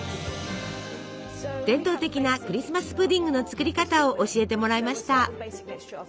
伝統的なクリスマス・プディングの作り方を教えてもらいました。